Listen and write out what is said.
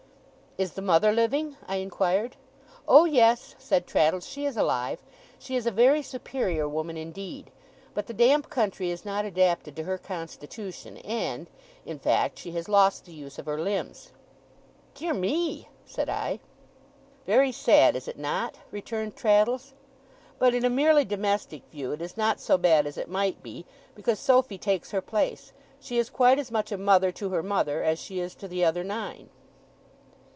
'Is the mother living?' I inquired. 'Oh yes,' said Traddles, 'she is alive. She is a very superior woman indeed, but the damp country is not adapted to her constitution, and in fact, she has lost the use of her limbs.' 'Dear me!' said I. 'Very sad, is it not?' returned Traddles. 'But in a merely domestic view it is not so bad as it might be, because Sophy takes her place. She is quite as much a mother to her mother, as she is to the other nine.